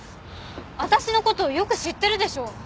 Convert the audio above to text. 私の事よく知ってるでしょ？